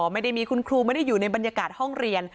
ไม่ได้มีคุณครูไม่ได้อยู่ในบรรยากาศห้องเรียน